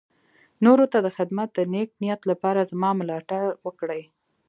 نورو ته د خدمت د نېک نيت لپاره زما ملاتړ وکړي.